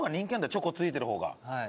チョコ付いてる方が。